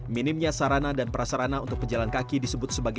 minimnya sarana dan prasarana untuk berjalan kaki disebut sebuah perjalan kaki